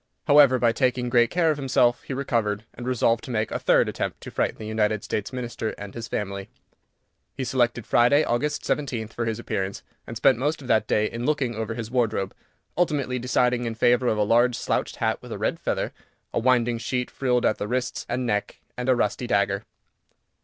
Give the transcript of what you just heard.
However, by taking great care of himself, he recovered, and resolved to make a third attempt to frighten the United States Minister and his family. He selected Friday, August 17th, for his appearance, and spent most of that day in looking over his wardrobe, ultimately deciding in favour of a large slouched hat with a red feather, a winding sheet frilled at the wrists and neck, and a rusty dagger.